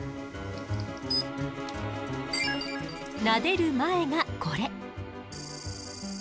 なでる前がこれ。